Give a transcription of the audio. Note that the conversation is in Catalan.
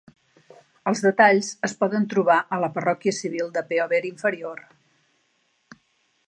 Els detalls es poden trobar a la parròquia civil de Peover Inferior.